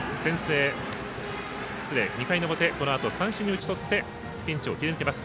２回の表このあと三振に打ち取ってピンチを切り抜けます。